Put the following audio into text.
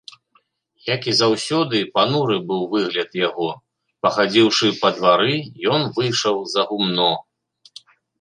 Як і заўсёды, пануры быў выгляд яго, пахадзіўшы па двары, ён выйшаў за гумно.